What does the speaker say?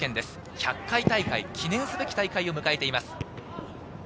１００回大会、記念すべき大会を迎えています。